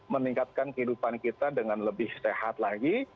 meningkatkan kehidupan kita dengan lebih sehat lagi